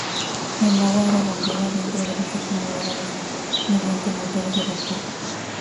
El agua era bombeada dentro de los acumuladores mediante motores de vapor.